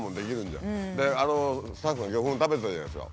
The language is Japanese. あのスタッフが魚粉食べてたじゃないですか。